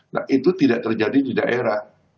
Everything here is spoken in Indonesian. nah itu tidak terjadi di daerah